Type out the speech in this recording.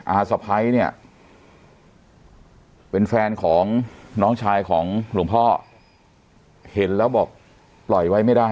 สะพ้ายเนี่ยเป็นแฟนของน้องชายของหลวงพ่อเห็นแล้วบอกปล่อยไว้ไม่ได้